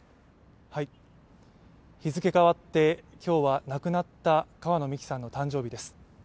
日付変わって今日は亡くなった川野さんの誕生日です。